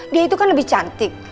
dia itu kan lebih cantik